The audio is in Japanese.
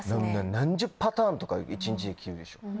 何十パターンとか一日で着るでしょ？